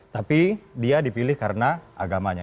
tapi dia dipilih karena agamanya